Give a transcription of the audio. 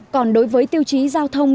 còn đối với tiêu chí giao thông